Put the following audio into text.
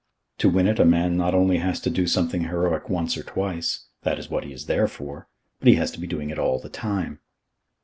To win it a man not only has to do something heroic once or twice that is what he is there for but he has to be doing it all the time.